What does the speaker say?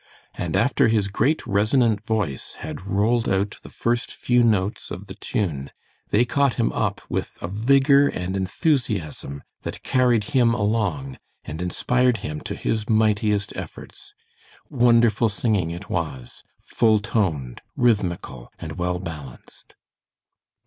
And after his great resonant voice had rolled out the first few notes of the tune, they caught him up with a vigor and enthusiasm that carried him along, and inspired him to his mightiest efforts. Wonderful singing it was, full toned, rhythmical and well balanced.